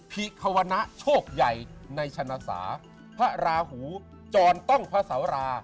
ภิควณะโชคใหญ่ในชนะสาพระราหูจรต้องพระสารา